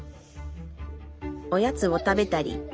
おやつを食べたり。